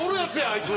あいつ。